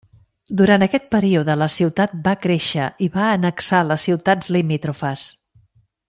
Durant aquest període, la ciutat va créixer i va annexar les ciutats limítrofes.